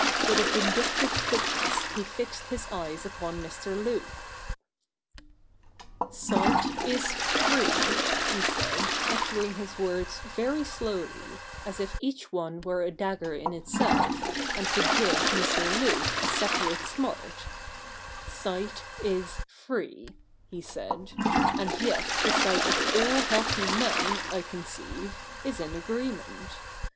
With a vindictive quickness he fixed his eyes upon Mr. Luke. ' Sight is free,' he said, uttering his words very slowly as if each one were a dagger in itself, and could give Mr. Luke a separate smart :' sight is free," he said, ' and yet the sight of all healthy men, I conceive, is in agree ment.